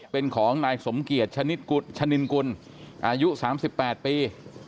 เป็นของนายสมเกียจชะนินกุลอายุ๓๘ปี